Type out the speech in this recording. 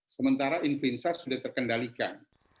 sementara influenza sudah terkendalikan